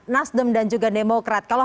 nasdem dan juga demokrat kalau